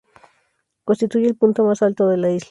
Constituye el punto más alto de la isla.